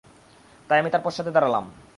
তাই আমি তাঁর পশ্চাতে দাঁড়ালাম।